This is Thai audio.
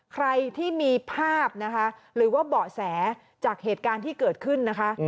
ใครที่มีภาพนะคะหรือว่าเบาะแสจากเหตุการณ์ที่เกิดขึ้นนะคะ